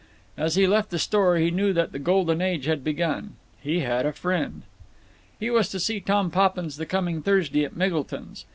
As he left the store he knew that the golden age had begun. He had a friend! He was to see Tom Poppins the coming Thursday at Miggleton's.